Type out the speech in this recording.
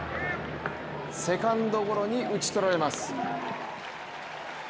セカンドゴロに打ち取られます。